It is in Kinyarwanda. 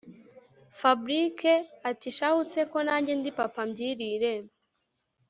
Fabric atishahu se ko najye ndi papabyirire